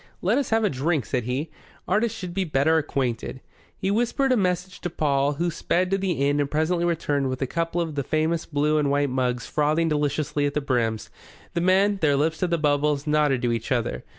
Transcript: "Let us have a drink," said he. "Artists should be better acquainted." He whispered a message to Paul, who sped to the inn and presently returned with a couple of the famous blue and white mugs frothing deliciously at the brims. The men, their lips to the bubbles, nodded to each other.